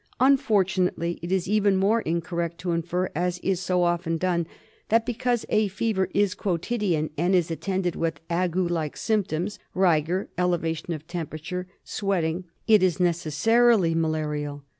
Unfortunately, it is even more incorrect to infer, as is so often done, that because a fever is quotidian and is attended with ague like symptoms — rigor, elevation of temperature, sweating, it is necessarily malarial.